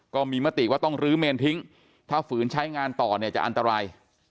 ก็มีมติว่าต้องลื้อเมนทิ้งถ้าฝืนใช้งานต่อเนี่ยจะอันตราย